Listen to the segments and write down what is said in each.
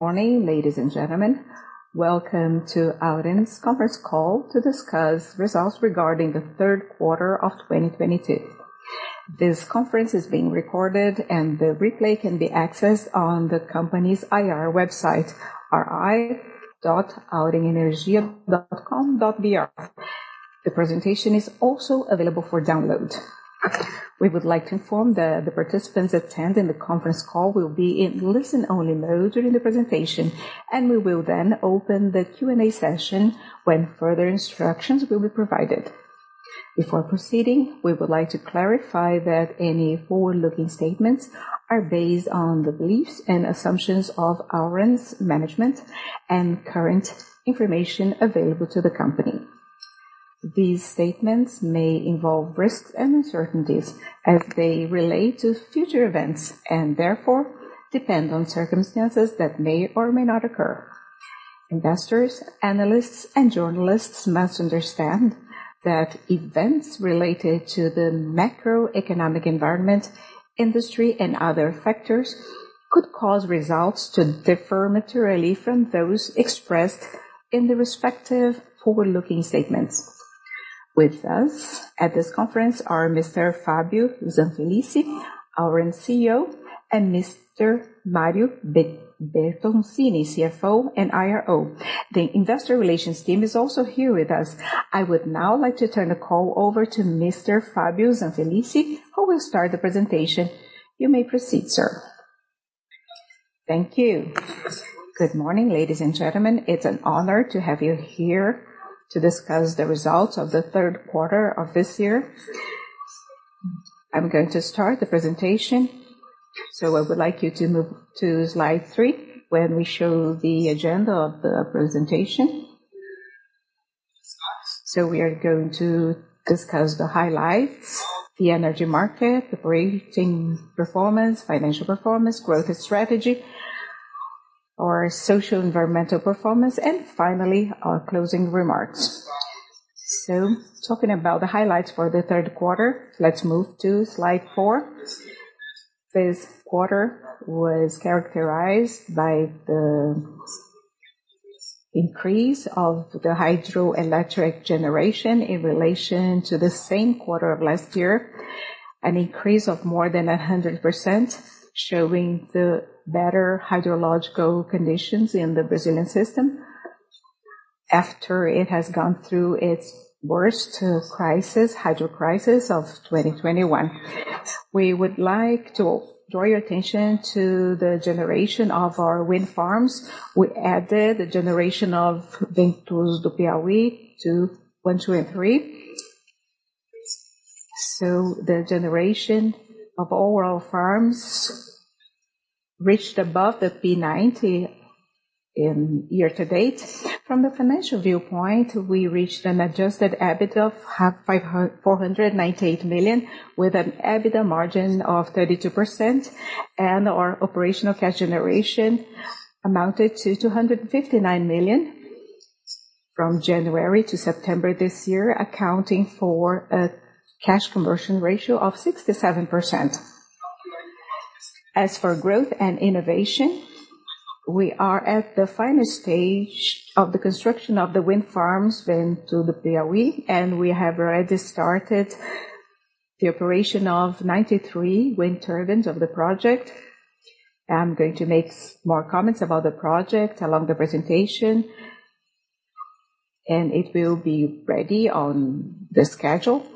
Morning, ladies and gentlemen. Welcome to Auren's Conference Call to discuss results regarding the third quarter of 2022. This conference is being recorded, and the replay can be accessed on the company's IR website, ri.aurenenergia.com.br. The presentation is also available for download. We would like to inform the participants attending the conference call will be in listen-only mode during the presentation, and we will then open the Q&A session when further instructions will be provided. Before proceeding, we would like to clarify that any forward-looking statements are based on the beliefs and assumptions of Auren's management and current information available to the company. These statements may involve risks and uncertainties as they relate to future events and therefore depend on circumstances that may or may not occur. Investors, analysts, and journalists must understand that events related to the macroeconomic environment, industry, and other factors could cause results to differ materially from those expressed in the respective forward-looking statements. With us at this conference are Mr. Fábio Zanfelice, Auren CEO, and Mr. Mario Bertoncini, CFO and IRO. The Investor Relations team is also here with us. I would now like to turn the call over to Mr. Fábio Zanfelice, who will start the presentation. You may proceed, sir. Thank you. Good morning, ladies and gentlemen. It's an honor to have you here to discuss the results of the third quarter of this year. I'm going to start the presentation, so I would like you to move to Slide Three, where we show the agenda of the presentation. We are going to discuss the highlights, the energy market, operating performance, financial performance, growth strategy, our social environmental performance, and finally, our closing remarks. Talking about the highlights for the third quarter, let's move to Slide Four. This quarter was characterized by the increase of the hydroelectric generation in relation to the same quarter of last year, an increase of more than 100%, showing the better hydrological conditions in the Brazilian system after it has gone through its worst crisis, hydro crisis of 2021. We would like to draw your attention to the generation of our wind farms. We added a generation of Ventos do Piauí II, I, II, and III. The generation of all our farms reached above the P90 in year to date. From the financial viewpoint, we reached an adjusted EBITDA of 498 million, with an EBITDA margin of 32%, and our operational cash generation amounted to 259 million from January to September this year, accounting for a cash conversion ratio of 67%. As for growth and innovation, we are at the final stage of the construction of the wind farms Ventos do Piauí, and we have already started the operation of 93 wind turbines of the project. I'm going to make more comments about the project along the presentation, and it will be ready on the schedule.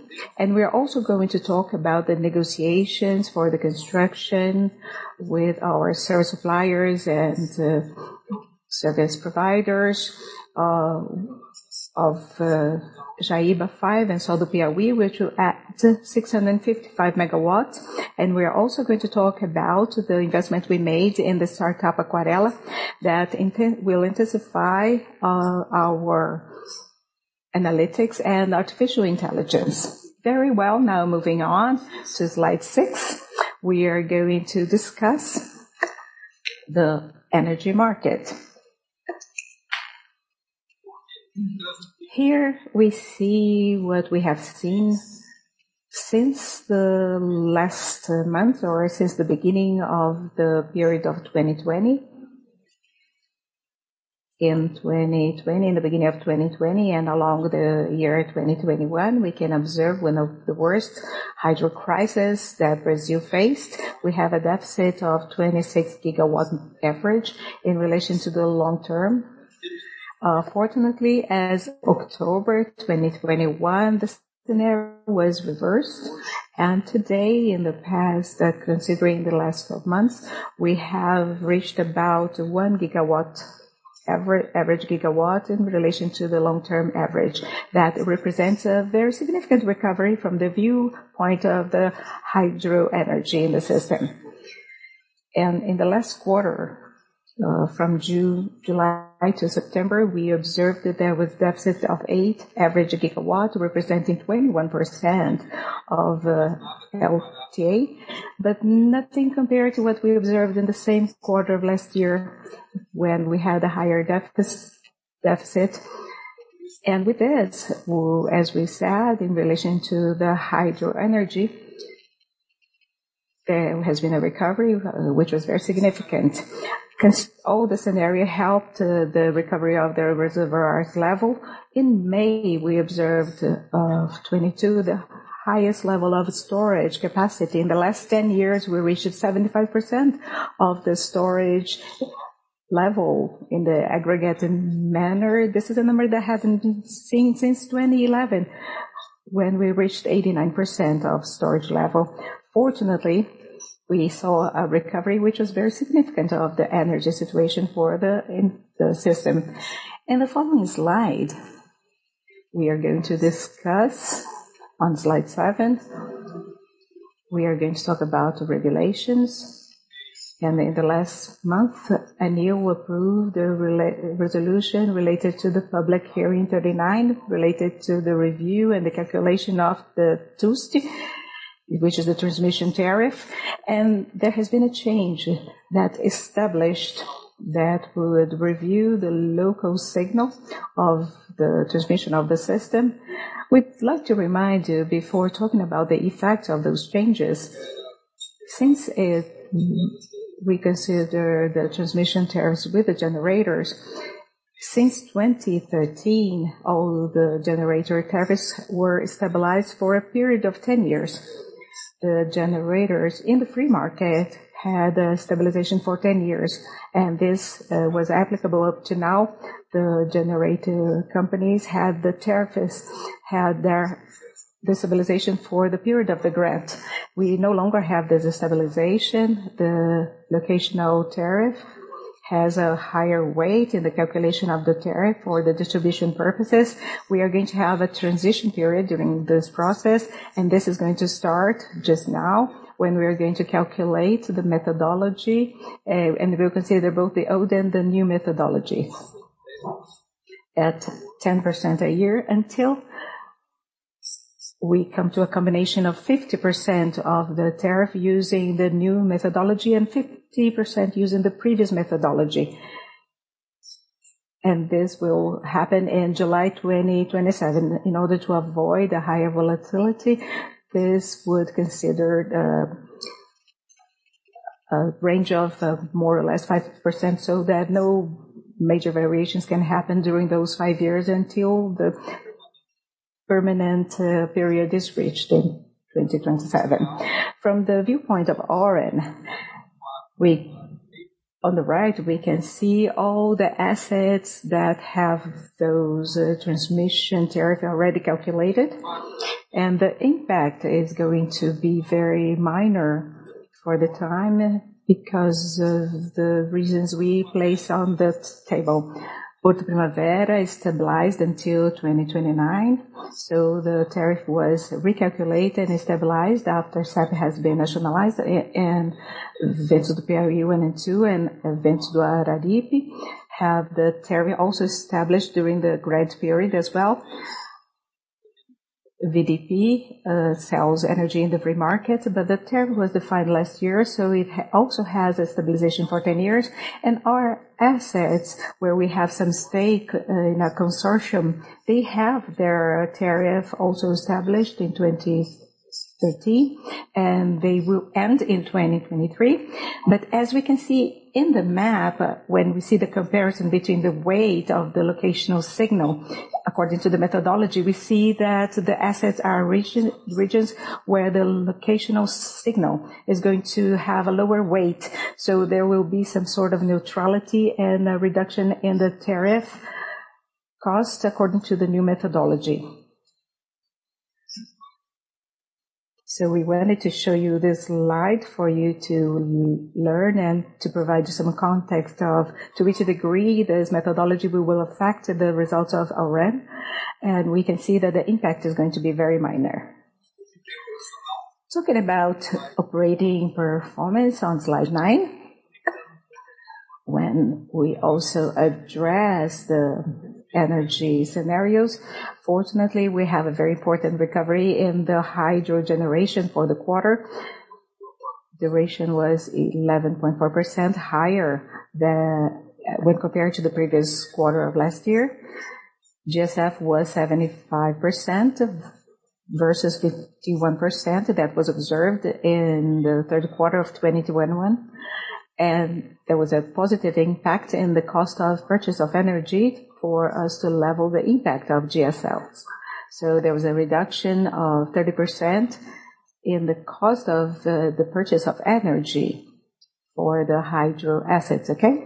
We are also going to talk about the negotiations for the construction with our service suppliers and service providers of Jaíba V and Sol do Piauí, which will add 655 MW. We are also going to talk about the investment we made in the startup Aquarela that will intensify our analytics and artificial intelligence. Very well, now moving on to Slide Six, we are going to discuss the energy market. Here we see what we have seen since the last month or since the beginning of the period of 2020. In 2020, in the beginning of 2020 and along the year 2021, we can observe one of the worst hydro crisis that Brazil faced. We have a deficit of 26 GW average in relation to the long term. Fortunately, as of October 2021, the scenario was reversed. Today, in the past, considering the last 12 months, we have reached about 1 GW average GW in relation to the long-term average. That represents a very significant recovery from the viewpoint of the hydro energy in the system. In the last quarter, from June, July to September, we observed that there was deficits of 8 GW average, representing 21% of LTA, but nothing compared to what we observed in the same quarter of last year when we had a higher deficit. With this, as we said, in relation to the hydro energy there has been a recovery which was very significant. All the scenario helped the recovery of the reservoir's level. In May, we observed 2022, the highest level of storage capacity. In the last 10 years, we reached 75% of the storage level in the aggregate and manner. This is a number that hasn't been seen since 2011 when we reached 89% of storage level. Fortunately, we saw a recovery which was very significant of the energy situation for the system. In the following slide, we are going to discuss. On Slide Seven, we are going to talk about regulations. In the last month, ANEEL approved a resolution related to the public hearing 39, related to the review and the calculation of the TUST, which is the transmission tariff. There has been a change that established that we would review the local signal of the transmission of the system. We'd like to remind you before talking about the effects of those changes, since we consider the transmission tariffs with the generators. Since 2013, all the generator tariffs were stabilized for a period of 10 years. The generators in the free market had a stabilization for 10 years, and this was applicable up to now. The generator companies had the tariffs, had their, the stabilization for the period of the grant. We no longer have the stabilization. The locational tariff has a higher weight in the calculation of the tariff for the distribution purposes. We are going to have a transition period during this process, and this is going to start just now when we are going to calculate the methodology, and we will consider both the old and the new methodologies. At 10% a year until we come to a combination of 50% of the tariff using the new methodology and 50% using the previous methodology. This will happen in July 2027. In order to avoid a higher volatility, this would consider a range of more or less 5%, so that no major variations can happen during those five years until the permanent period is reached in 2027. From the viewpoint of Auren, on the right, we can see all the assets that have those transmission tariff already calculated, and the impact is going to be very minor for the time because of the reasons we place on that table. Porto Primavera is stabilized until 2029, so the tariff was recalculated and stabilized after SAP has been nationalized. Ventos do Piauí I and II and Ventos do Araripe have the tariff also established during the grant period as well. VDP sells energy in the free market, but the tariff was defined last year, so it also has a stabilization for 10 years. Our assets where we have some stake in a consortium, they have their tariff also established in 2030, and they will end in 2023. As we can see in the map, when we see the comparison between the weight of the locational signal according to the methodology, we see that the assets are regions where the locational signal is going to have a lower weight. There will be some sort of neutrality and a reduction in the tariff cost according to the new methodology. We wanted to show you this slide for you to learn and to provide you some context of to which degree this methodology will affect the results of Auren, and we can see that the impact is going to be very minor. Talking about operating performance on Slide Nine, when we also address the energy scenarios, fortunately, we have a very important recovery in the hydro generation for the quarter. Generation was 11.4% higher than when compared to the previous quarter of last year. GSF was 75% versus 51%. That was observed in the third quarter of 2021, and there was a positive impact in the cost of purchase of energy for us to level the impact of GSF. There was a reduction of 30% in the cost of the purchase of energy for the hydro assets. Okay?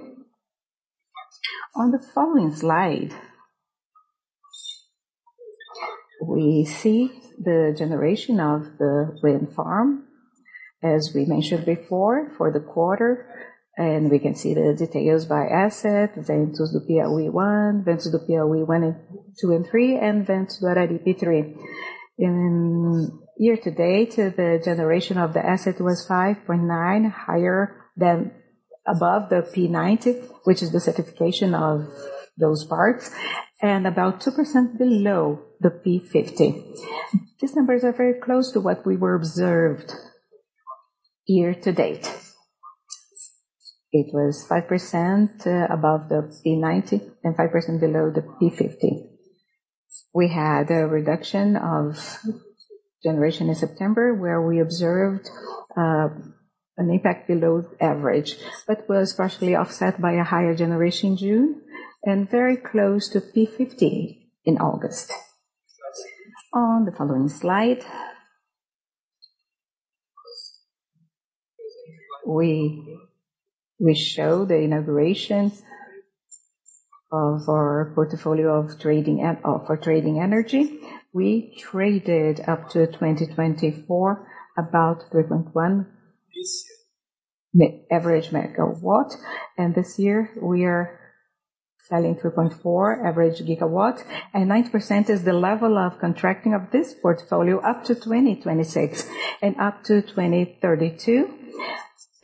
On the following slide, we see the generation of the wind farm, as we mentioned before, for the quarter, and we can see the details by asset, Ventos do Piauí I, Ventos do Piauí II and III, and Ventos do Araripe III. In year to date, the generation of the asset was 5.9% higher than above the P90, which is the certification of those parks, and about 2% below the P50. These numbers are very close to what we observed year to date. It was 5% above the P90 and 5% below the P50. We had a reduction of generation in September where we observed an impact below average, but was partially offset by a higher generation in June, and very close to P50 in August. On the following slide, we show the inauguration of our portfolio for trading energy. We traded up to 2024 about 3.1 MW average, and this year we are selling 3.4 GW average. Nine percent is the level of contracting of this portfolio up to 2026. Up to 2032,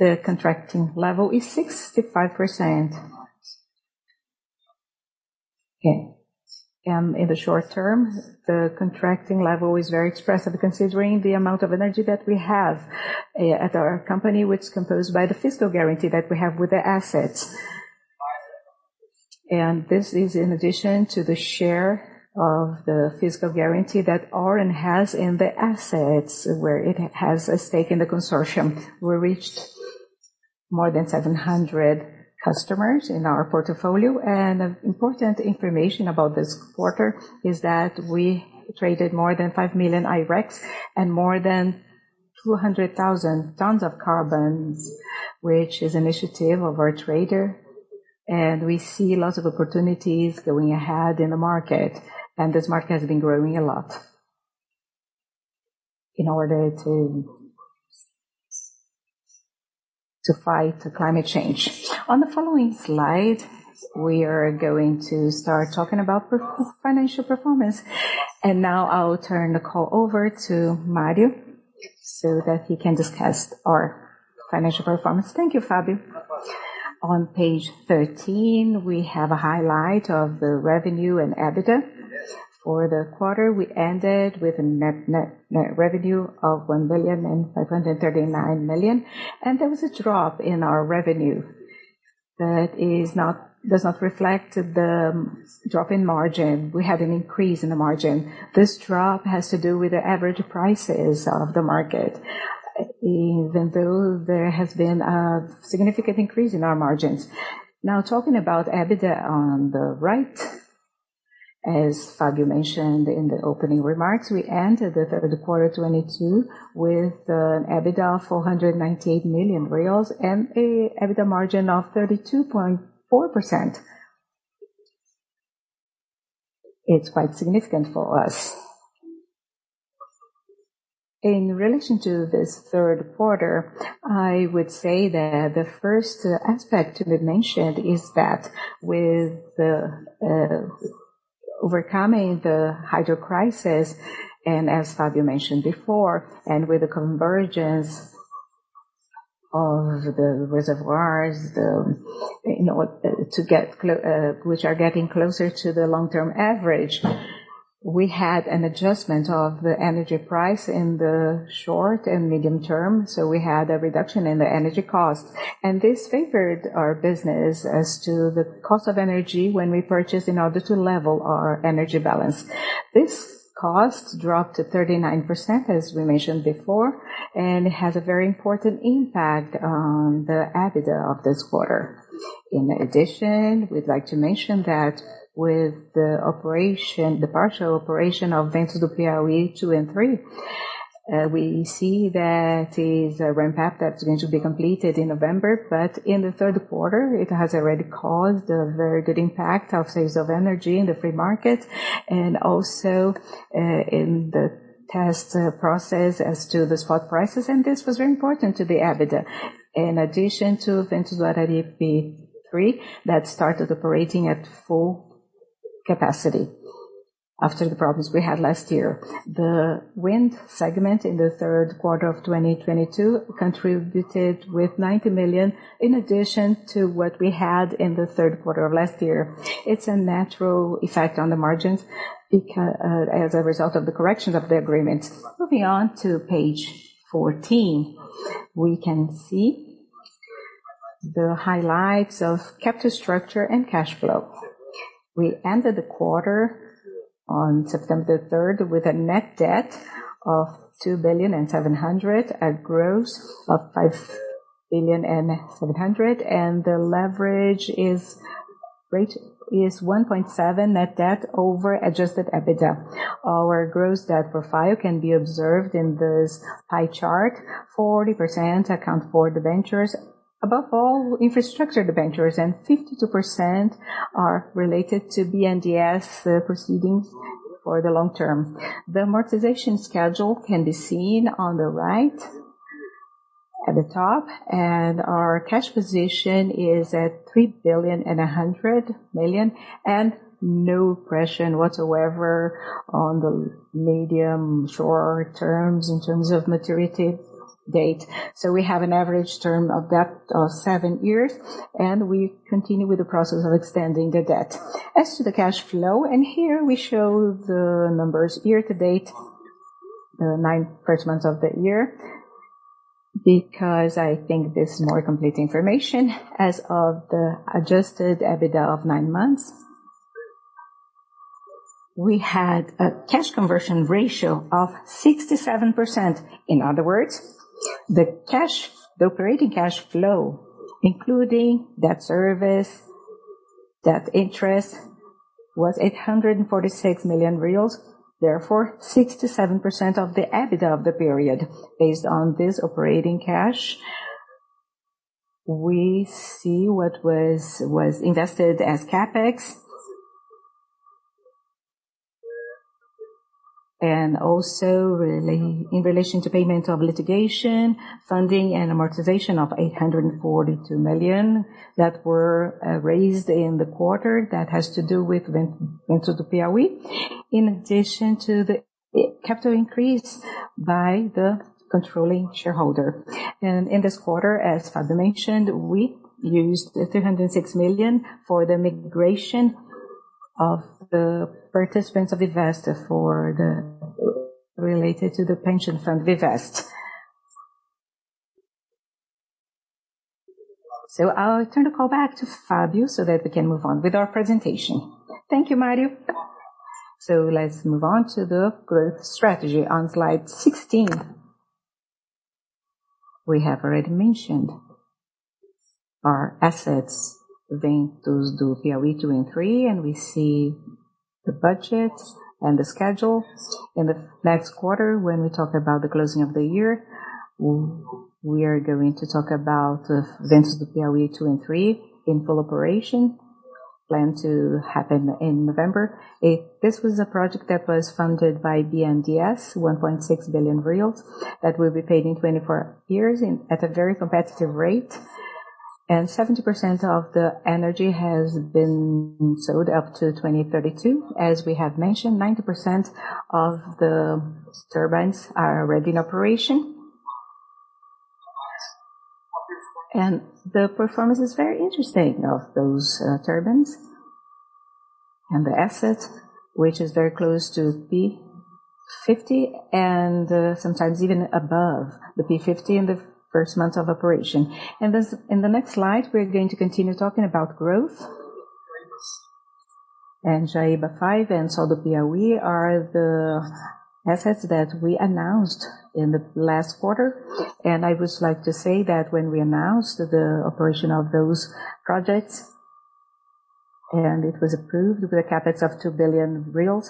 the contracting level is 65%. Okay. In the short term, the contracting level is very expressive considering the amount of energy that we have at our company, which is composed by the physical guarantee that we have with the assets. This is in addition to the share of the physical guarantee that Auren has in the assets where it has a stake in the consortium. We reached more than 700 customers in our portfolio. An important information about this quarter is that we traded more than 5 million I-REC, and more than 200,000 tons of carbons, which is initiative of our trader. We see lots of opportunities going ahead in the market, and this market has been growing a lot in order to fight climate change. On the following slide, we are going to start talking about financial performance. Now I'll turn the call over to Mario so that he can discuss our financial performance. Thank you, Fábio. On page 13, we have a highlight of the revenue and EBITDA. For the quarter, we ended with a net revenue of 1.539 billion. There was a drop in our revenue that does not reflect the drop in margin. We had an increase in the margin. This drop has to do with the average prices of the market, even though there has been a significant increase in our margins. Now, talking about EBITDA on the right, as Fábio mentioned in the opening remarks, we ended the third quarter 2022 with an EBITDA of BRL 498 million and an EBITDA margin of 32.4%. It's quite significant for us. In relation to this third quarter, I would say that the first aspect to be mentioned is that with the overcoming the hydro crisis, and as Fábio mentioned before, and with the convergence of the reservoirs, you know, which are getting closer to the long-term average, we had an adjustment of the energy price in the short and medium term, so we had a reduction in the energy cost. This favored our business as to the cost of energy when we purchase in order to level our energy balance. This cost dropped to 39%, as we mentioned before, and it has a very important impact on the EBITDA of this quarter. In addition, we'd like to mention that with the partial operation of Ventos do Piauí II and III, we see that is a ramp up that's going to be completed in November, but in the third quarter, it has already caused a very good impact of saves of energy in the free market and also, in the test process as to the spot prices, and this was very important to the EBITDA. In addition to Ventos do Piauí III, that started operating at full capacity after the problems we had last year. The wind segment in the third quarter of 2022 contributed with 90 million in addition to what we had in the third quarter of last year. It's a natural effect on the margins because, as a result of the correction of the agreement. Moving on to page 14, we can see the highlights of capital structure and cash flow. We ended the quarter on September 3rd with a net debt of 2.7 billion, a gross of 5.7 billion, and the leverage is 1.7 net debt over adjusted EBITDA. Our gross debt profile can be observed in this pie chart. 40% account for debentures. Above all, infrastructure debentures and 52% are related to BNDES proceedings for the long term. The amortization schedule can be seen on the right at the top, and our cash position is at 3.1 billion, and no pressure whatsoever on the medium shorter terms in terms of maturity date. We have an average term of debt of seven years, and we continue with the process of extending the debt. As to the cash flow, here we show the numbers year to date. The first nine months of the year, because I think there's more complete information as of the adjusted EBITDA of nine months. We had a cash conversion ratio of 67%. In other words, the cash, the operating cash flow, including debt service, debt interest, was 846 million reais. Therefore, 67% of the EBITDA of the period. Based on this operating cash, we see what was invested as CapEx. Also relating in relation to payment of litigation, funding and amortization of 842 million that were raised in the quarter that has to do with Ventos do Piauí. In addition to the capital increase by the controlling shareholder. In this quarter, as Fabio mentioned, we used 306 million for the migration of the participants of Investprev related to the pension fund of Investprev. I'll turn the call back to Fabio so that we can move on with our presentation. Thank you, Mario. Let's move on to the growth strategy on Slide 16. We have already mentioned our assets, Ventos do Piauí II and III, and we see the budget and the schedule. In the next quarter, when we talk about the closing of the year, we are going to talk about Ventos do Piauí II and III in full operation, planned to happen in November. This was a project that was funded by BNDES, 1.6 billion reais, that will be paid in 24 years at a very competitive rate. 70% of the energy has been sold up to 2032. As we have mentioned, 90% of the turbines are already in operation. The performance is very interesting of those turbines and the assets, which is very close to P50 and sometimes even above the P50 in the first months of operation. In the next slide, we're going to continue talking about growth. Jaíba V and Sol do Piauí are the assets that we announced in the last quarter. I would like to say that when we announced the operation of those projects, and it was approved with a CapEx of 2 billion reais,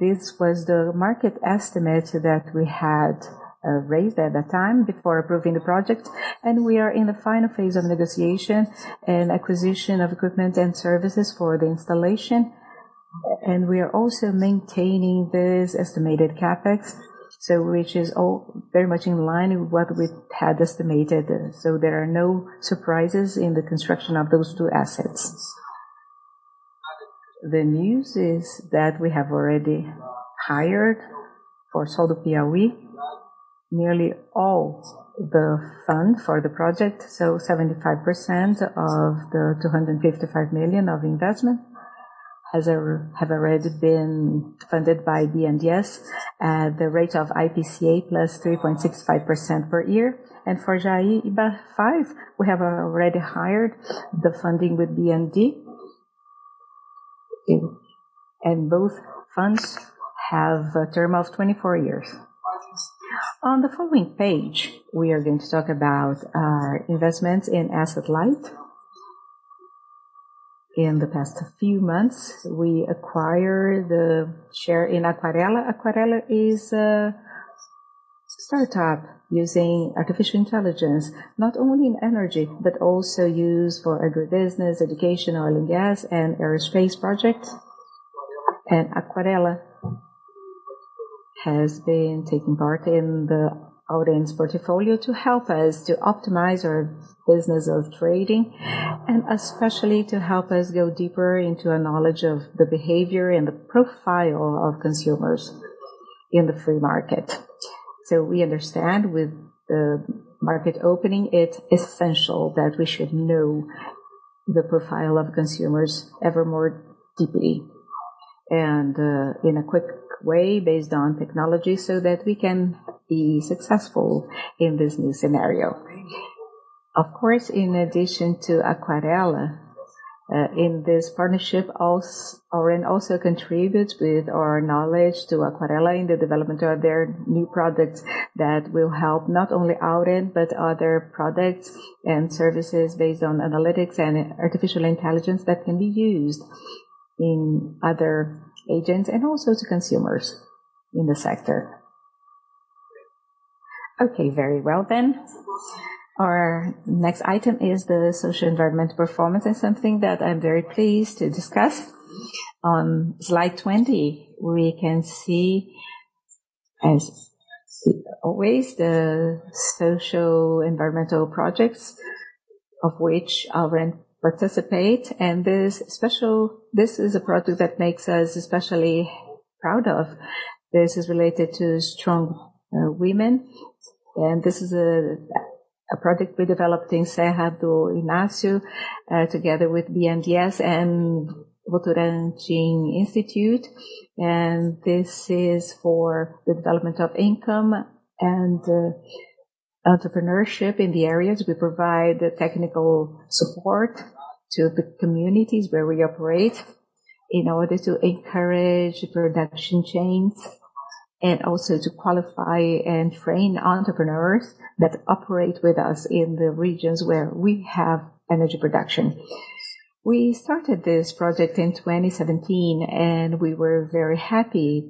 this was the market estimate that we had raised at the time before approving the project. We are in the final phase of negotiation and acquisition of equipment and services for the installation. We are also maintaining this estimated CapEx, so which is all very much in line with what we had estimated. There are no surprises in the construction of those two assets. The news is that we have already hired for Sol do Piauí nearly all the fund for the project. 75% of the 255 million of investment have already been funded by BNDES at the rate of IPCA +3.65% per year. For Jaíba V, we have already hired the funding with BNDES. Both funds have a term of 24 years. On the following page, we are going to talk about our investments in asset-light. In the past few months, we acquired the share in Aquarela. Aquarela is a startup using artificial intelligence, not only in energy, but also used for agribusiness, education, oil and gas, and aerospace projects. Aquarela has been taking part in Auren's portfolio to help us to optimize our business of trading, and especially to help us go deeper into our knowledge of the behavior and the profile of consumers in the free market. We understand with the market opening, it's essential that we should know the profile of consumers ever more deeply and, in a quick way based on technology, so that we can be successful in this new scenario. Of course, in addition to Aquarela, in this partnership, Auren also contributes with our knowledge to Aquarela in the development of their new products that will help not only Auren, but other products and services based on analytics and artificial intelligence that can be used in other agents and also to consumers in the sector. Okay. Very well then. Our next item is the socio-environmental performance and something that I'm very pleased to discuss. On Slide 20, we can see, as always, the socio-environmental projects of which Auren participate. This is a project that makes us especially proud of. This is related to strong women and this is a project we developed in Serra do Inácio, together with BNDES and Instituto Votorantim. This is for the development of income and entrepreneurship in the areas. We provide the technical support to the communities where we operate in order to encourage production chains and also to qualify and train entrepreneurs that operate with us in the regions where we have energy production. We started this project in 2017, and we were very happy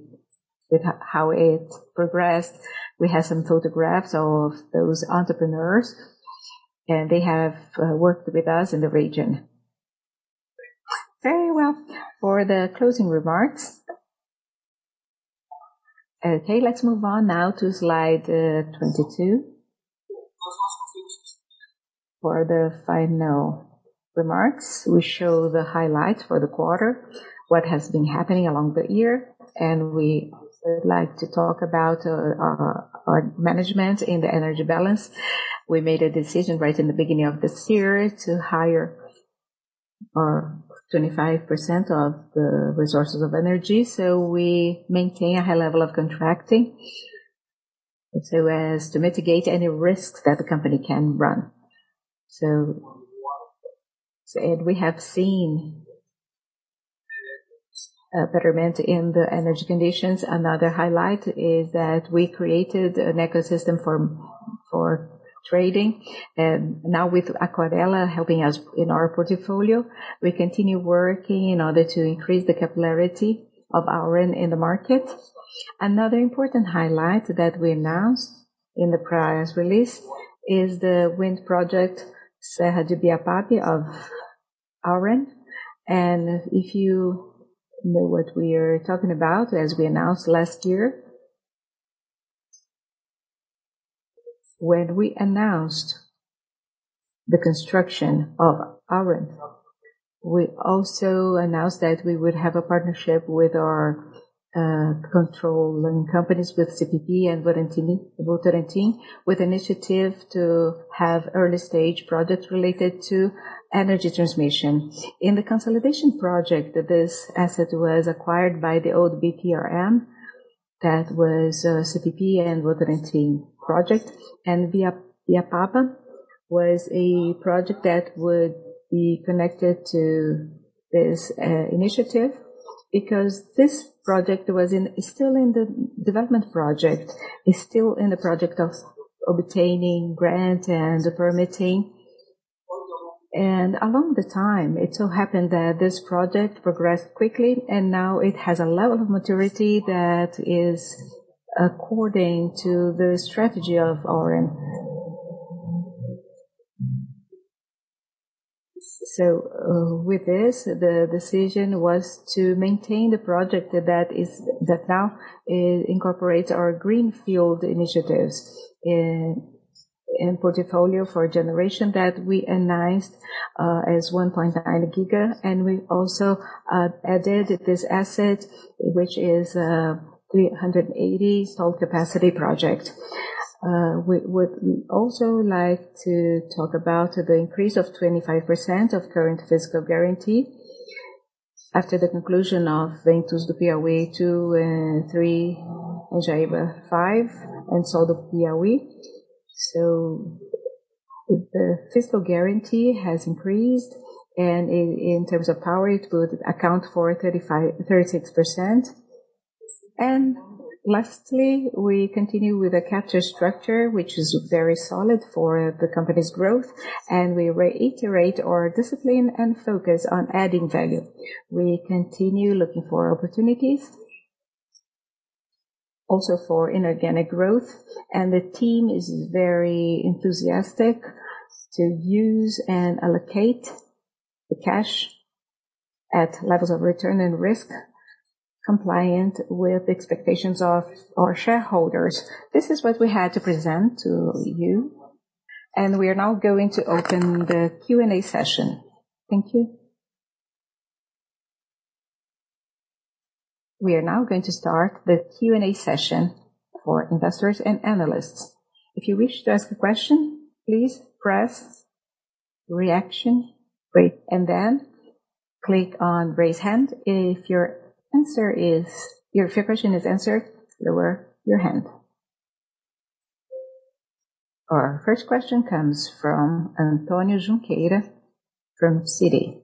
with how it progressed. We have some photographs of those entrepreneurs, and they have worked with us in the region. Very well for the closing remarks. Okay, let's move on now to Slide 22. For the final remarks, we show the highlights for the quarter, what has been happening along the year, and we also like to talk about our management in the energy balance. We made a decision right in the beginning of this year to hire 25% of the resources of energy. We maintain a high level of contracting so as to mitigate any risks that the company can run. We have seen betterment in the energy conditions. Another highlight is that we created an ecosystem for trading. Now with Aquarela helping us in our portfolio, we continue working in order to increase the capillarity of Auren in the market. Another important highlight that we announced in the prior release is the wind project, Serra de Ibiapaba of Auren. If you know what we are talking about, as we announced last year. When we announced the construction of Auren, we also announced that we would have a partnership with our controlling companies, with CPP and Votorantim, with initiative to have early-stage projects related to energy transmission. In the consolidation project, this asset was acquired by the old VTRM. That was CPP and Votorantim project. Ibiapaba was a project that would be connected to this initiative because this project was still in the development project. It's still in the project of obtaining grant and the permitting. Along the time, it so happened that this project progressed quickly, and now it has a level of maturity that is according to the strategy of Auren. With this, the decision was to maintain the project that now incorporates our greenfield initiatives in portfolio for generation that we announced as 1.9 GW. We also added this asset, which is 380 full capacity project. We would also like to talk about the increase of 25% of current physical guarantee after the conclusion of Ventos do Piauí II and III, Jaíba V, and Sol do Piauí. The physical guarantee has increased, and in terms of power, it would account for 36%. Lastly, we continue with the capital structure, which is very solid for the company's growth, and we reiterate our discipline and focus on adding value. We continue looking for opportunities also for inorganic growth, and the team is very enthusiastic to use and allocate the cash at levels of return and risk compliant with the expectations of our shareholders. This is what we had to present to you, and we are now going to open the Q&A session. Thank you. We are now going to start the Q&A session for investors and analysts. If you wish to ask a question, please press Reaction, wait, and then click on Raise Hand. If your question is answered, lower your hand. Our first question comes from Antonio Junqueira from Citi.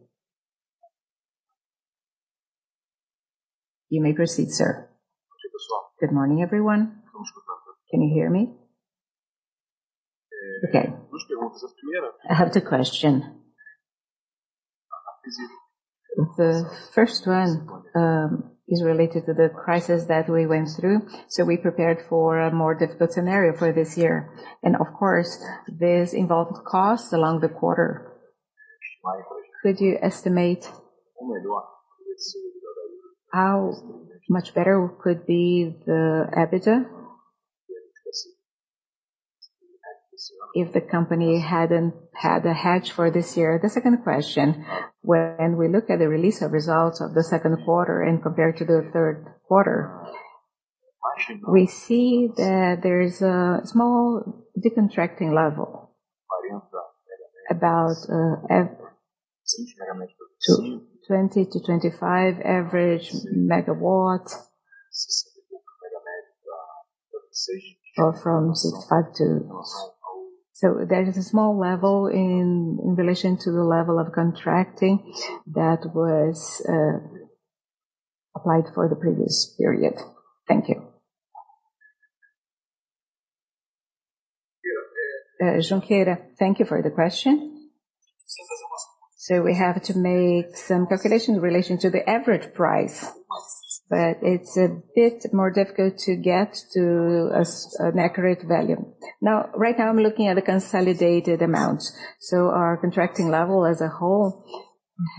You may proceed, sir. Good morning, everyone. Can you hear me? Okay. I have the question. The first one is related to the crisis that we went through. We prepared for a more difficult scenario for this year. Of course, this involved costs in the quarter. Could you estimate how much better could be the EBITDA? If the company hadn't had a hedge for this year. The second question, when we look at the release of results of the second quarter and compare to the third quarter, we see that there is a small decontracting level about at 20 MW-25 MW average. Or from 65 MW to. There is a small level in relation to the level of contracting that was applied for the previous period. Thank you. Junqueira, thank you for the question. We have to make some calculations in relation to the average price, but it's a bit more difficult to get to an accurate value. Now, right now I'm looking at the consolidated amounts. Our contracting level as a whole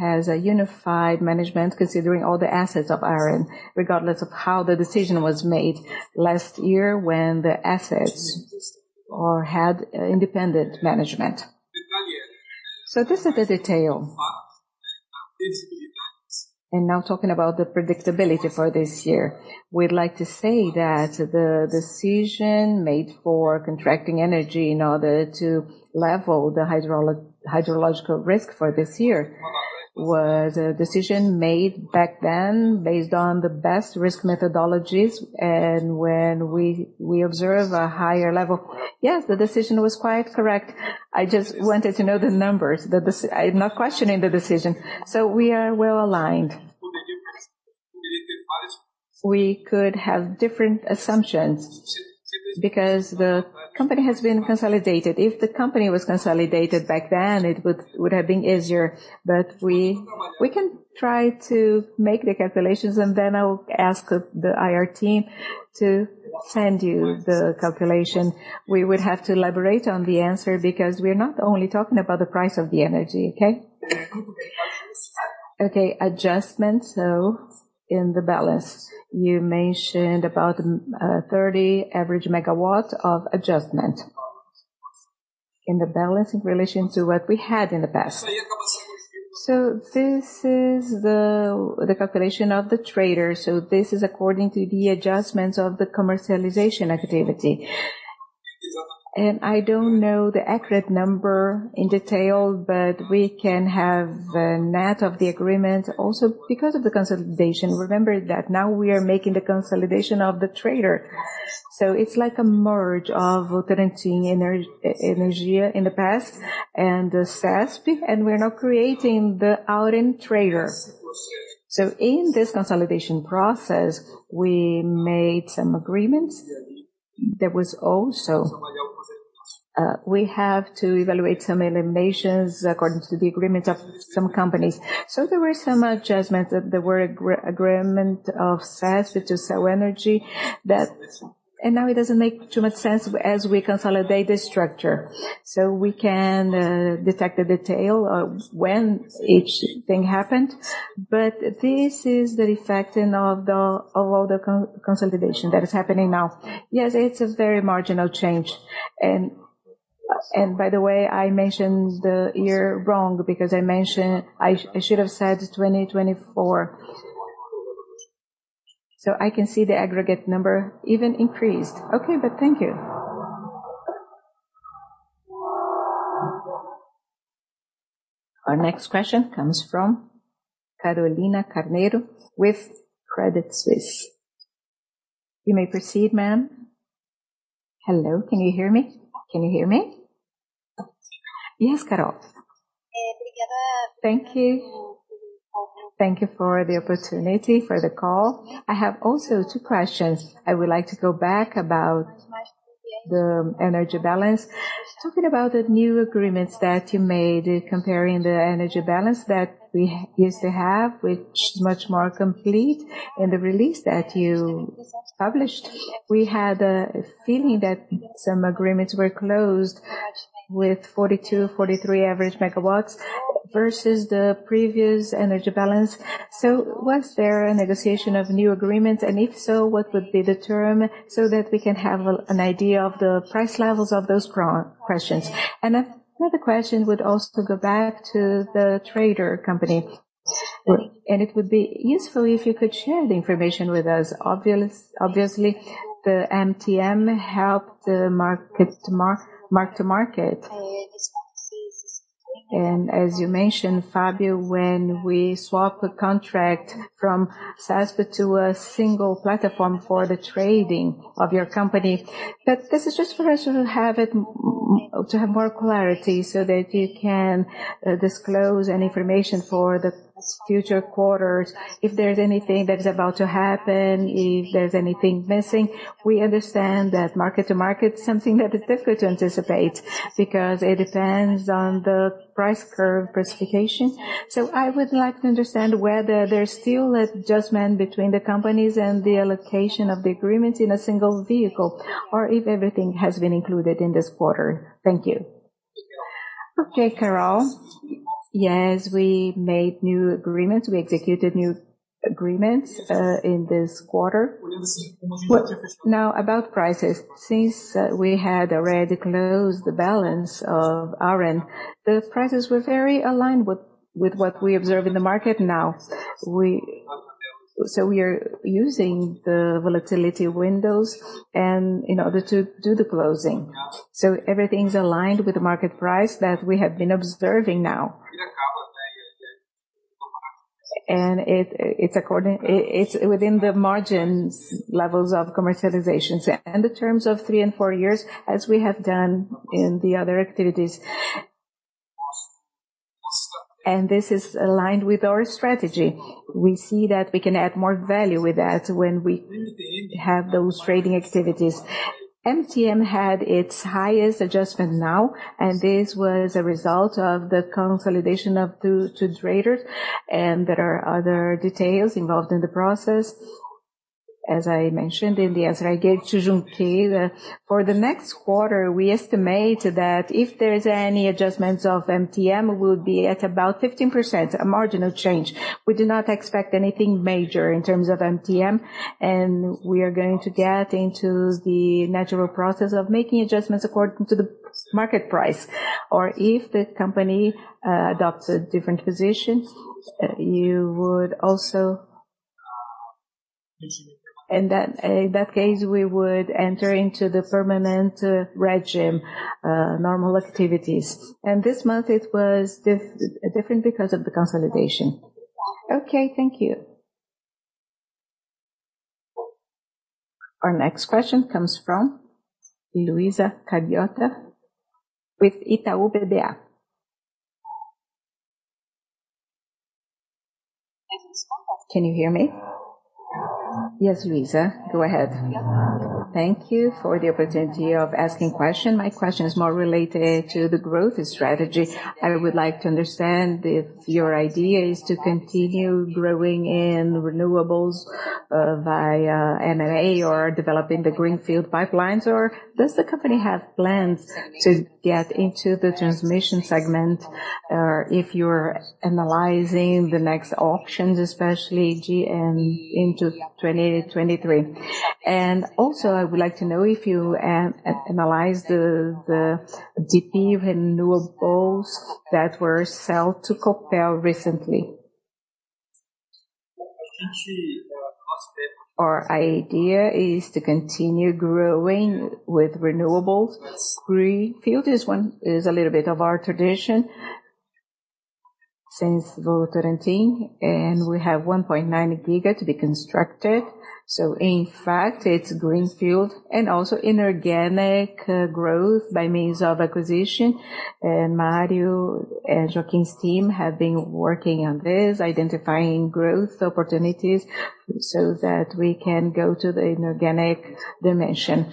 has a unified management considering all the assets of Auren, regardless of how the decision was made last year when the assets all had independent management. This is the detail. Now talking about the predictability for this year, we'd like to say that the decision made for contracting energy in order to level the hydrological risk for this year was a decision made back then based on the best risk methodologies and when we observe a higher level. Yes, the decision was quite correct. I just wanted to know the numbers. I'm not questioning the decision. We are well-aligned. We could have different assumptions because the company has been consolidated. If the company was consolidated back then, it would have been easier. We can try to make the calculations, and then I will ask the IR team to send you the calculation. We would have to elaborate on the answer because we're not only talking about the price of the energy. Okay. Okay, adjustment. In the balance, you mentioned about 30 MW average of adjustment. In the balance in relation to what we had in the past. This is the calculation of the trader. This is according to the adjustments of the commercialization activity. I don't know the accurate number in detail, but we can have the net of the agreement also because of the consolidation. Remember that now we are making the consolidation of the trader. It's like a merge of Votorantim Energia in the past and the AES. We're now creating the Auren trader. In this consolidation process, we made some agreements. There was also, we have to evaluate some eliminations according to the agreements of some companies. There were some adjustments. There were agreement of SAS, which is our energy that. Now it doesn't make too much sense as we consolidate the structure, so we can detect the detail of when each thing happened. This is the effect in all the consolidation that is happening now. Yes, it's a very marginal change. By the way, I mentioned the year wrong because I should have said 2024. I can see the aggregate number even increased. Okay, but thank you. Our next question comes from Carolina Carneiro with Credit Suisse. You may proceed, ma'am. Hello. Can you hear me? Can you hear me? Yes, Carol. Thank you for the opportunity for the call. I have two questions. I would like to go back about the energy balance. Talking about the new agreements that you made comparing the energy balance that we used to have, which is much more complete, and the release that you published, we had a feeling that some agreements were closed with 42 MW-43 MW average versus the previous energy balance. Was there a negotiation of new agreements? If so, what would be the term so that we can have an idea of the price levels of those pro questions. Another question would also go back to the trader company. It would be useful if you could share the information with us. Obviously, the MTM helped the market to market. As you mentioned, Fábio, when we swap a contract from SAS to a single platform for the trading of your company. This is just for us to have more clarity so that you can disclose any information for the future quarters, if there's anything that is about to happen, if there's anything missing. We understand that mark-to-market is something that is difficult to anticipate because it depends on the price curve specification. I would like to understand whether there's still adjustment between the companies and the allocation of the agreements in a single vehicle, or if everything has been included in this quarter. Thank you. Okay, Carol. Yes, we made new agreements. We executed new agreements in this quarter. Now, about prices. Since we had already closed the balance of Auren, those prices were very aligned with what we observe in the market now. We are using the volatility windows and in order to do the closing. Everything's aligned with the market price that we have been observing now. It's within the margins levels of commercialization. The terms of three and four years, as we have done in the other activities. This is aligned with our strategy. We see that we can add more value with that when we have those trading activities. MTM had its highest adjustment now, and this was a result of the consolidation of two traders, and there are other details involved in the process. As I mentioned in the answer I gave to Junqueira, for the next quarter, we estimate that if there's any adjustments of MTM, it will be at about 15%, a marginal change. We do not expect anything major in terms of MTM, and we are going to get into the natural process of making adjustments according to the spot market price. If the company adopts a different position, you would also. In that case, we would enter into the permanent regime, normal activities. This month it was different because of the consolidation. Okay, thank you. Our next question comes from Luiza Candiota with Itaú BBA. Can you hear me? Yes, Luiza, go ahead. Thank you for the opportunity of asking question. My question is more related to the growth strategy. I would like to understand if your idea is to continue growing in renewables via M&A or developing the greenfield pipelines, or does the company have plans to get into the transmission segment if you are analyzing the next auctions, especially in 2023. I would like to know if you analyze the EDP Renováveis that were sold to Copel recently. Our idea is to continue growing with renewables. Greenfield is a little bit of our tradition since Votorantim, and we have 1.9 GW to be constructed. In fact, it's greenfield and also inorganic growth by means of acquisition. Mario Bertoncini and Joaquim Spinola's team have been working on this, identifying growth opportunities so that we can go to the inorganic dimension.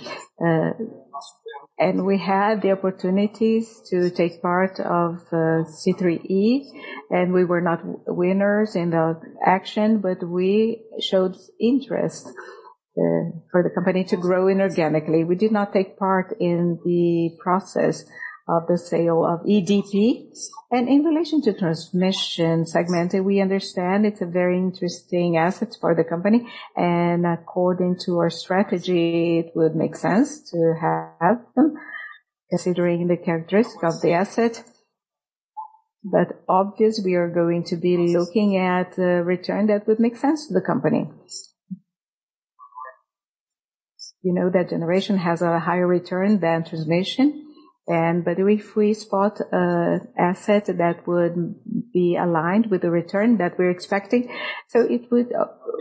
We had the opportunities to take part of CEEE-G, and we were not winners in the auction, but we showed interest for the company to grow inorganically. We did not take part in the process of the sale of EDP. In relation to transmission segment, we understand it's a very interesting asset for the company. According to our strategy, it would make sense to have them considering the characteristics of the asset. Obvious, we are going to be looking at a return that would make sense to the company. You know that generation has a higher return than transmission, but if we spot an asset that would be aligned with the return that we're expecting, so it would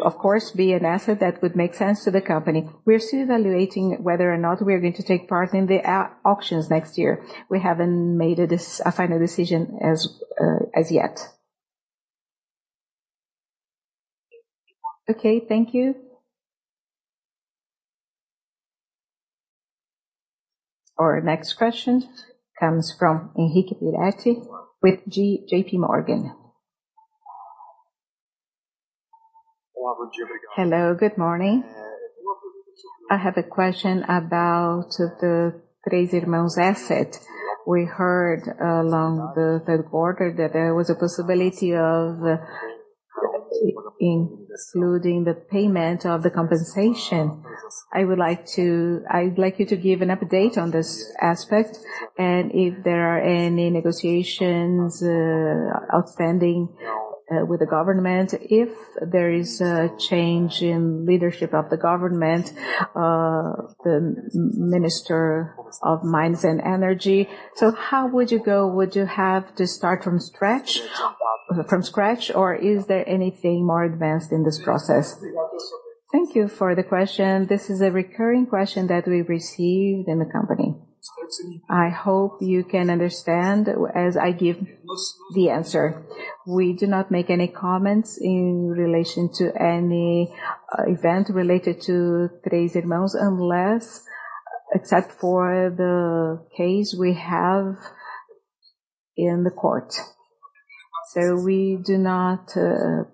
of course be an asset that would make sense to the company. We're still evaluating whether or not we are going to take part in the auctions next year. We haven't made a final decision as yet. Okay, thank you. Our next question comes from Henrique Peretti with JPMorgan. Hello, good morning. I have a question about the Três Irmãos asset. We heard along the third quarter that there was a possibility of excluding the payment of the compensation. I'd like you to give an update on this aspect and if there are any negotiations outstanding with the government, if there is a change in leadership of the government, the Minister of Mines and Energy. So how would you go? Would you have to start from scratch, or is there anything more advanced in this process? Thank you for the question. This is a recurring question that we've received in the company. I hope you can understand as I give the answer. We do not make any comments in relation to any event related to Três Irmãos except for the case we have in the court. We do not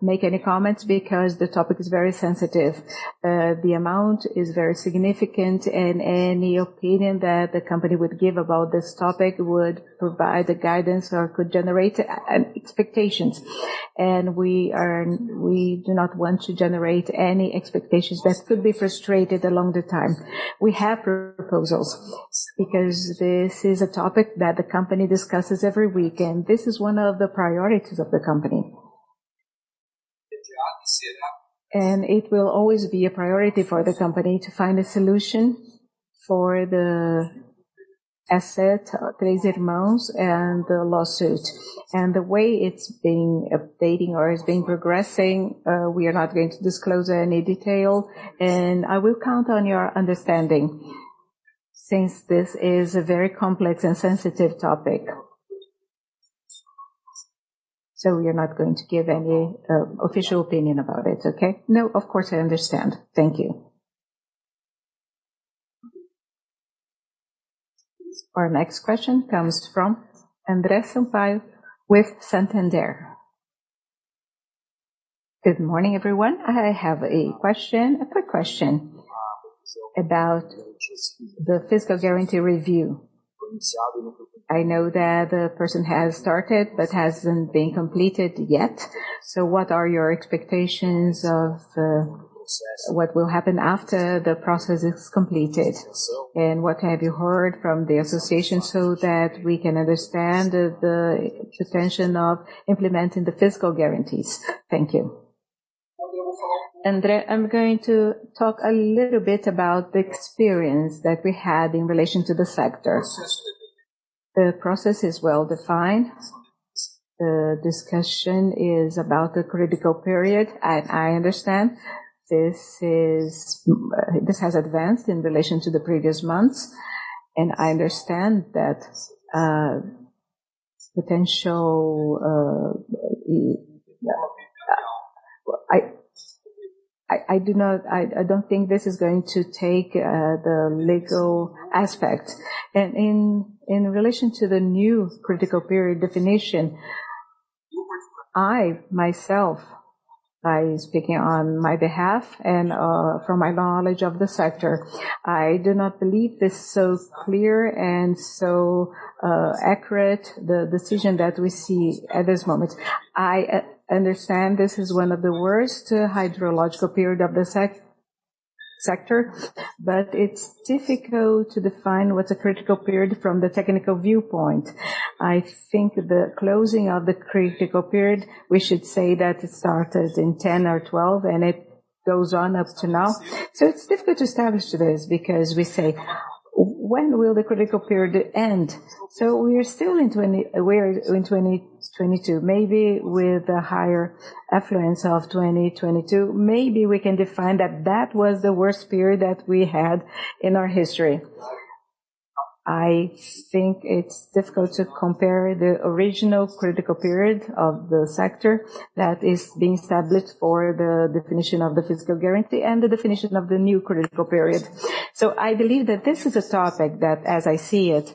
make any comments because the topic is very sensitive. The amount is very significant, and any opinion that the company would give about this topic would provide a guidance or could generate expectations. We do not want to generate any expectations that could be frustrated over time. We have proposals because this is a topic that the company discusses every week, and this is one of the priorities of the company. It will always be a priority for the company to find a solution for the asset claimed amounts and the lawsuit. The way it's being updating or is being progressing, we are not going to disclose any detail, and I will count on your understanding since this is a very complex and sensitive topic. We are not going to give any official opinion about it. Okay? No, of course, I understand. Thank you. Our next question comes from André Sampaio with Santander. Good morning, everyone. I have a question, a quick question about the physical guarantee review. I know that the process has started, but hasn't been completed yet. What are your expectations of what will happen after the process is completed? And what have you heard from the association so that we can understand the potential of implementing the physical guarantees? Thank you. André, I'm going to talk a little bit about the experience that we had in relation to the sector. The process is well-defined. The discussion is about the critical period. I understand this has advanced in relation to the previous months, and I understand that potential. Well, I don't think this is going to take the legal aspect. In relation to the new critical period definition, I, myself, I'm speaking on my behalf and from my knowledge of the sector, I do not believe this is so clear and so accurate, the decision that we see at this moment. I understand this is one of the worst hydrological period of the sector, but it's difficult to define what's a critical period from the technical viewpoint. I think the closing of the critical period, we should say that it started in 10 or 12, and it goes on up to now. It's difficult to establish this because we say, "When will the critical period end?" We're still in 2022. Maybe with the higher inflows of 2022, maybe we can define that was the worst period that we had in our history. I think it's difficult to compare the original critical period of the sector that is being established for the definition of the physical guarantee and the definition of the new critical period. I believe that this is a topic that, as I see it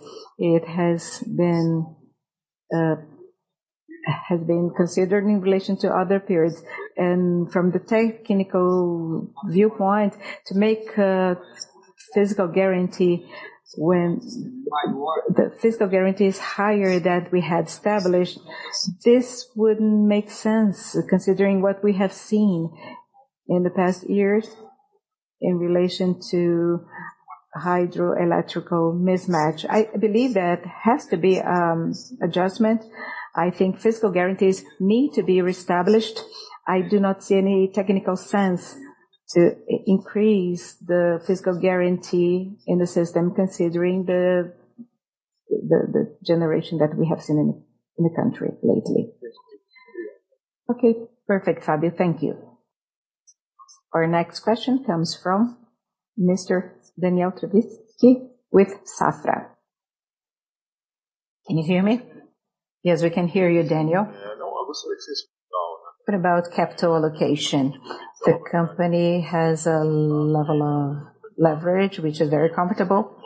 has been considered in relation to other periods. From the technical viewpoint, to make a physical guarantee when the physical guarantee is higher than we had established, this wouldn't make sense considering what we have seen in the past years in relation to hydrological mismatch. I believe there has to be adjustment. I think fiscal guarantees need to be reestablished. I do not see any technical sense to increase the fiscal guarantee in the system considering the generation that we have seen in the country lately. Okay. Perfect, Fábio. Thank you. Our next question comes from Mr. Daniel Travitzky with Safra. Can you hear me? Yes, we can hear you, Daniel. What about capital allocation? The company has a level of leverage which is very comfortable.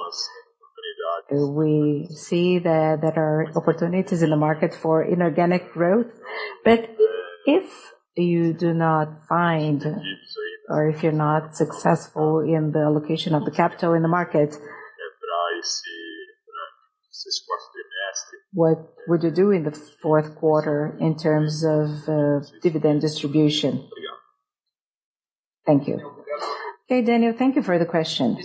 We see that there are opportunities in the market for inorganic growth. If you do not find or if you're not successful in the allocation of the capital in the market, what would you do in the fourth quarter in terms of dividend distribution? Thank you. Okay, Daniel, thank you for the question.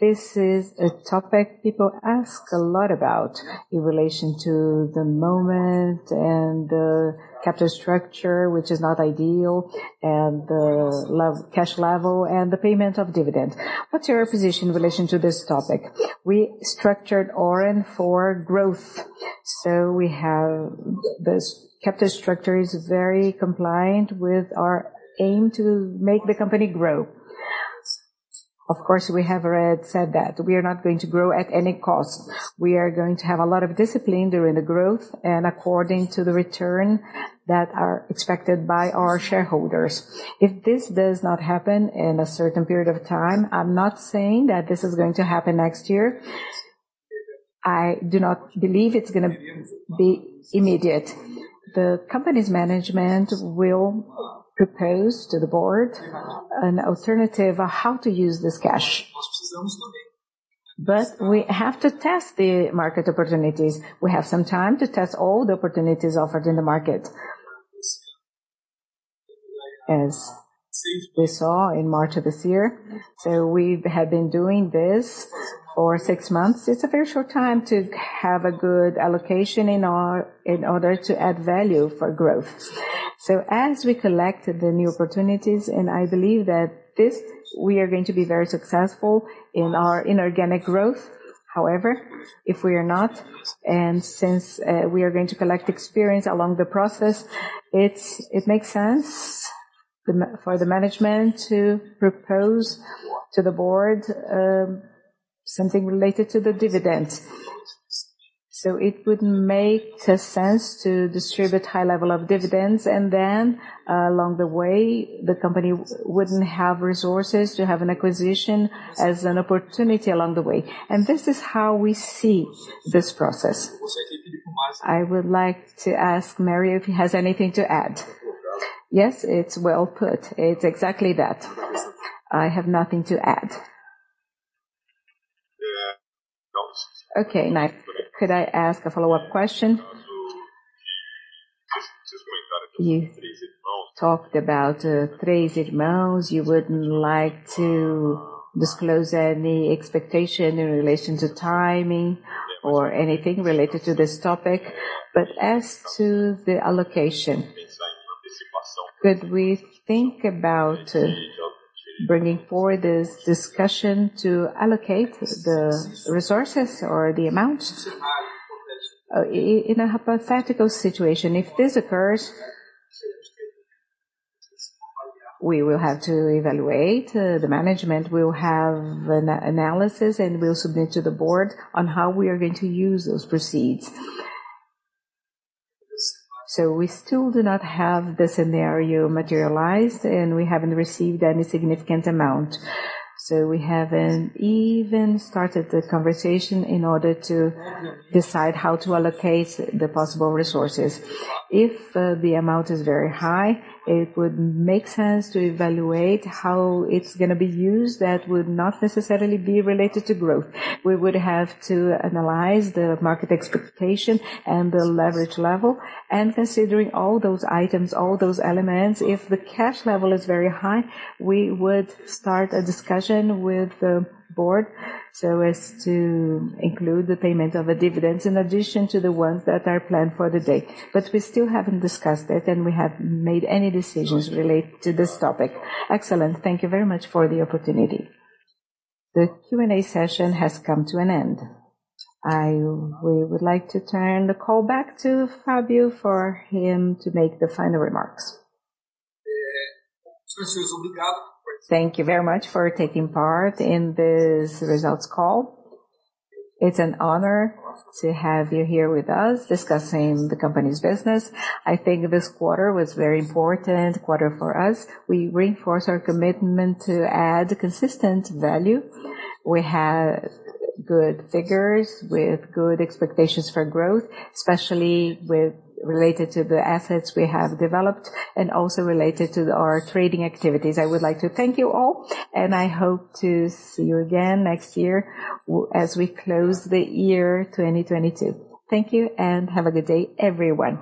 This is a topic people ask a lot about in relation to the moment and the capital structure, which is not ideal, and the cash level and the payment of dividends. What's your position in relation to this topic? We structured Auren for growth. The capital structure is very compliant with our aim to make the company grow. Of course, we have already said that we are not going to grow at any cost. We are going to have a lot of discipline during the growth and according to the return that are expected by our shareholders. If this does not happen in a certain period of time, I'm not saying that this is going to happen next year. I do not believe it's gonna be immediate. The company's management will propose to the board an alternative on how to use this cash. We have to test the market opportunities. We have some time to test all the opportunities offered in the market. As we saw in March of this year. We have been doing this for six months. It's a very short time to have a good allocation in order to add value for growth. As we collect the new opportunities, and I believe that this, we are going to be very successful in our inorganic growth. However, if we are not, and since we are going to collect experience along the process, it makes sense for the management to propose to the board something related to the dividends. It would make sense to distribute high level of dividends, and then along the way, the company wouldn't have resources to have an acquisition as an opportunity along the way. This is how we see this process. I would like to ask Mario if he has anything to add. Yes, it's well put. It's exactly that. I have nothing to add. Okay, nice. Could I ask a follow-up question? You talked about crazy amounts. You wouldn't like to disclose any expectation in relation to timing or anything related to this topic? As to the allocation, could we think about bringing forward this discussion to allocate the resources or the amounts? In a hypothetical situation, if this occurs, we will have to evaluate. The management will have an analysis, and we'll submit to the board on how we are going to use those proceeds. We still do not have the scenario materialized, and we haven't received any significant amount, so we haven't even started the conversation in order to decide how to allocate the possible resources. If the amount is very high, it would make sense to evaluate how it's gonna be used, that would not necessarily be related to growth. We would have to analyze the market expectation and the leverage level, and considering all those items, all those elements, if the cash level is very high, we would start a discussion with the board so as to include the payment of a dividend in addition to the ones that are planned for the day. We still haven't discussed it, and we haven't made any decisions related to this topic. Excellent. Thank you very much for the opportunity. The Q&A session has come to an end. We would like to turn the call back to Fabio for him to make the final remarks. Thank you very much for taking part in this results call. It's an honor to have you here with us discussing the company's business. I think this quarter was very important quarter for us. We reinforce our commitment to add consistent value. We have good figures with good expectations for growth, especially with related to the assets we have developed and also related to our trading activities. I would like to thank you all, and I hope to see you again next year as we close the year 2022. Thank you, and have a good day, everyone.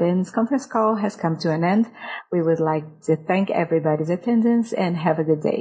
This conference call has come to an end. We would like to thank everybody's attendance and have a good day.